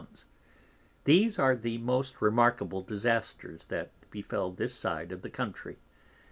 _ these are the most remarkable disasters that befel this side of the Country.